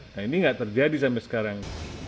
nah ini nggak terjadi sampai sekarang